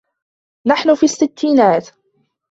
نحن في السّتّينات.